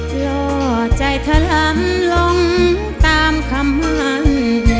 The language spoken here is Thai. หล่อใจทะลังลงตามคำมั่น